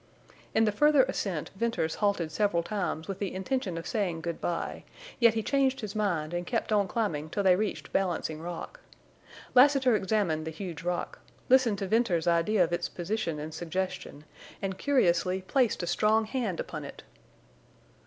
In the further ascent Venters halted several times with the intention of saying good by, yet he changed his mind and kept on climbing till they reached Balancing Rock. Lassiter examined the huge rock, listened to Venters's idea of its position and suggestion, and curiously placed a strong hand upon it.